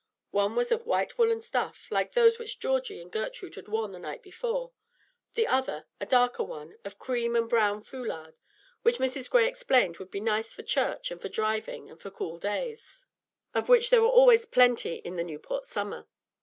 One was of white woollen stuff, like those which Georgie and Gertrude had worn the night before; the other, a darker one, of cream and brown foulard, which Mrs. Gray explained would be nice for church and for driving and for cool days, of which there were always plenty in the Newport summer.